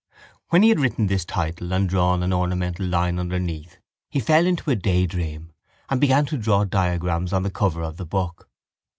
When he had written this title and drawn an ornamental line underneath he fell into a daydream and began to draw diagrams on the cover of the book.